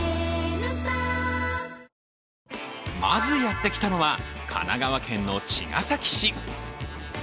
まずやってきたのは神奈川県の茅ヶ崎市。